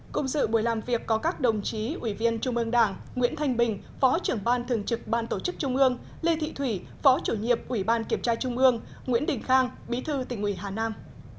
cùng dự buổi làm việc có các đồng chí ủy viên trung ương đảng nguyễn thanh bình phó trưởng ban thường trực ban tổ chức trung ương lê thị thủy phó chủ nhiệm ủy ban kiểm tra trung ương nguyễn đình khang bí thư tỉnh ủy hà nam